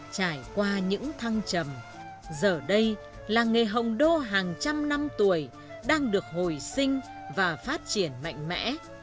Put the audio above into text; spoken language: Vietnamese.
trải qua những thăng trầm giờ đây làng nghề hồng đô hàng trăm năm tuổi đang được hồi sinh và phát triển mạnh mẽ